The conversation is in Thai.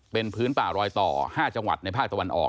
เป็นพื้นป่ารอยต่อ๕จังหวัดในภาคตะวันออก